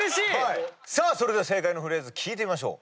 それでは正解のフレーズ聴いてみましょう。